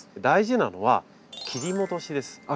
大事なのは切り戻しです。